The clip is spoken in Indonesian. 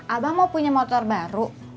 abang mau punya motor baru